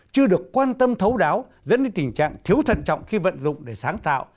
chưa được quan tâm thấu đáo dẫn đến tình trạng thiếu thận trọng khi vận dụng để sáng tạo